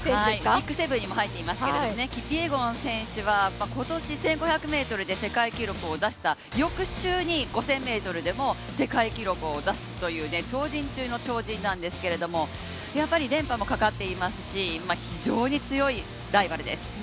ＢＩＧ７にも入っていますけどキピエゴン選手は、今年、１５００ｍで世界記録を出した翌週に５０００ｍでも世界記録を出すという、超人中の超人なんですけれどもやっぱり連覇もかかっていますし、非常に強いライバルです。